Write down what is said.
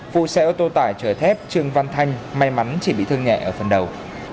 vụ xe ô tô tải trở thép trường văn thanh may mắn chỉ bị thương nhẹ ở phần đầu